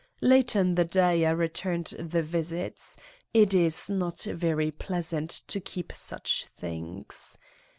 Later in the day I returned the visits : it is not very pleasant to keep such things.